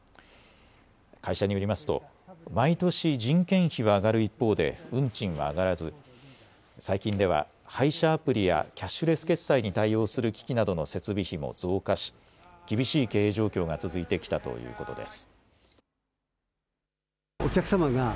会社によりますと毎年、人件費は上がる一方で運賃は上がらず最近では配車アプリやキャッシュレス決済に対応する機器などの設備費も増加し厳しい経営状況が続いてきたということです。